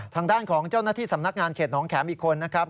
ทางด้านของเจ้าหน้าที่สำนักงานเขตน้องแขมอีกคนนะครับ